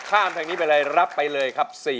ข้ามทางนี้ไปเลยรับไปเลยครับ